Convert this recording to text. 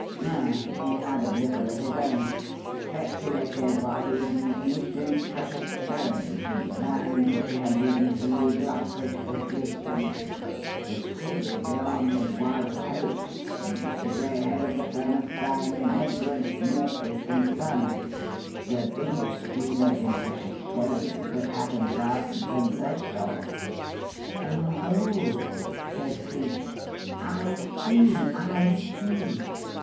"No. He had a little of his own. Speculated, while he was in the East, in precious stones and land which he had reason to believe likely to produce them; succeeded beyond his wildest hopes, and is to day head of the firm of Barrington Edwards, Morpeth & Firmin, the biggest dealers in precious stones that Hatton Garden can boast of." "Oho!" said Cleek. "I see! I see!"